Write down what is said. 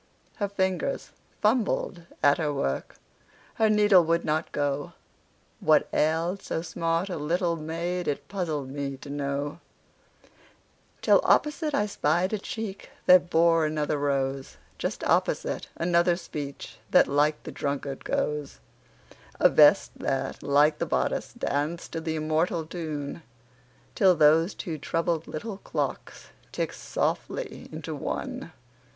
Her fingers fumbled at her work, Her needle would not go; What ailed so smart a little maid It puzzled me to know, Till opposite I spied a cheek That bore another rose; Just opposite, another speech That like the drunkard goes; A vest that, like the bodice, danced To the immortal tune, Till those two troubled little clocks Ticked softly into one.